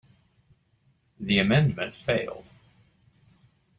The amendment failed.